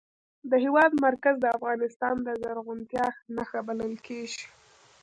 د هېواد مرکز د افغانستان د زرغونتیا نښه بلل کېږي.